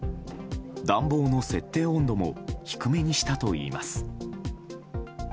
暖房の設定温度も低めにしたといいます。